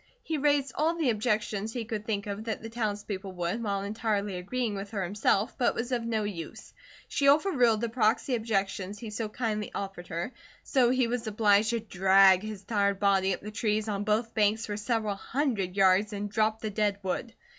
He raised all the objections he could think of that the townspeople would, while entirely agreeing with her himself, but it was of no use. She over ruled the proxy objections he so kindly offered her, so he was obliged to drag his tired body up the trees on both banks for several hundred yards and drop the dead wood.